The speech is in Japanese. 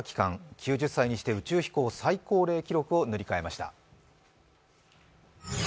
９０歳にして宇宙飛行最高齢記録を塗り替えました。